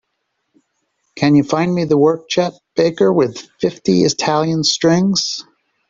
Can you find me the work, Chet Baker with Fifty Italian Strings?